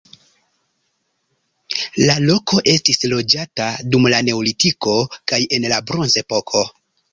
La loko estis loĝata dum la neolitiko kaj en la bronzepoko.